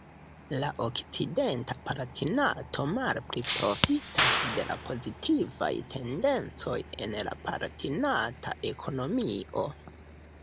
La okcidenta Palatinato malpli profitas de la pozitivaj tendencoj en la Palatinata ekonomio.